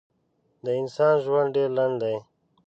د انسان ژوند ډېر لنډ دی.